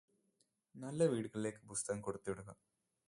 നല്ല വീടുകളിലേക്ക് പുസ്തകം കൊടുത്തുവിടുക